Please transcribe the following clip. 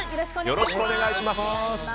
よろしくお願いします。